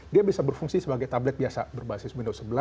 dia bisa berfungsi sebagai tablet biasa berbasis minor sebelas